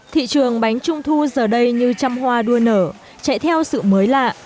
thị trường bánh trung thu giờ đây như trăm hoa đua nở chạy theo sự mới lạ